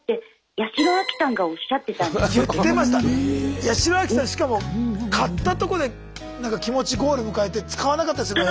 八代亜紀さんしかも買ったとこでなんか気持ちゴール迎えて使わなかったりするもの